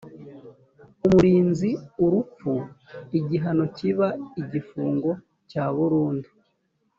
umurinzi urupfu igihano kiba igifungo cya burundu